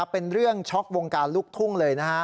เป็นเรื่องช็อกวงการลูกทุ่งเลยนะฮะ